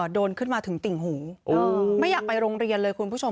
โดนขึ้นมาถึงติ่งหูไม่อยากไปโรงเรียนเลยคุณผู้ชม